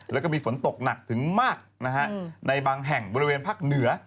แล้วก็มีฝนตกหนักถึงมากนะฮะในบางแห่งบริเวณภาคเหนือ